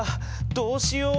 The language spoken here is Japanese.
どうしよう